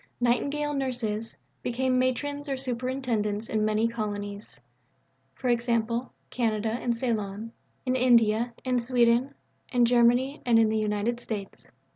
"Nightingale Nurses" became Matrons or Superintendents in many Colonies (e.g. Canada and Ceylon), in India, in Sweden, in Germany, and in the United States.